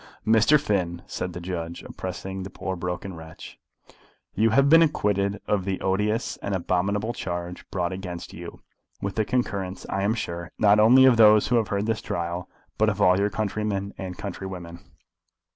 "Mr. Finn," said the judge, addressing the poor broken wretch, "you have been acquitted of the odious and abominable charge brought against you, with the concurrence, I am sure, not only of those who have heard this trial, but of all your countrymen and countrywomen.